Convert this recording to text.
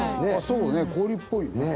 そうだね氷っぽいね。